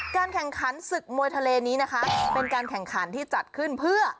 การแข่งขันศึกมวยทะเลนี้นะคะเป็นการแข่งขันที่จัดขึ้นเพื่อ